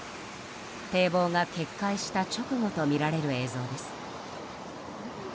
堤防が決壊した直後とみられる映像です。